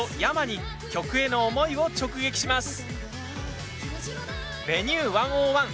ｙａｍａに曲への思いを直撃します。